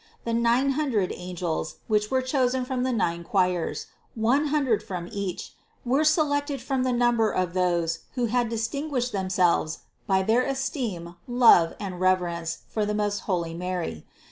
The nine hundred angels, which were chosen from the nine choirs, one hundred from each, were selected from the number of those, who had distinguished themselves by their esteem, love and rev erence for the most holy Mary.